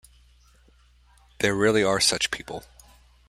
There really are such people.